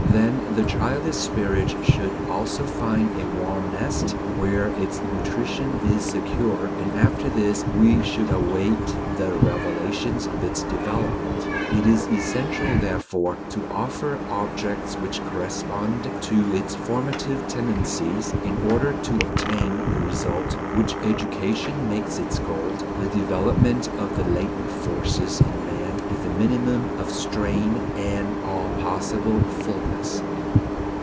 Then the childish spirit should also find a warm nest where its nutrition is secure, and after this we should await the revelations of its development. It is essential, therefore, to offer objects which correspond to its formative tendencies, in order to obtain the result which education makes its goal: the development of the latent forces in man with the minimum of strain and all possible fulness.